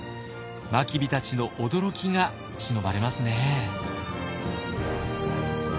真備たちの驚きがしのばれますね。